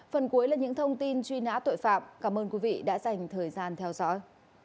phần cuối là những thông tin truy nã tội phạm cảm ơn quý vị đã dành thời gian theo dõi